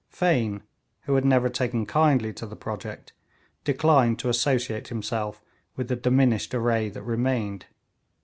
Fane, who had never taken kindly to the project, declined to associate himself with the diminished array that remained.